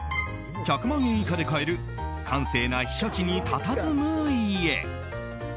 １００万円以下で買える閑静な避暑地にたたずむ家。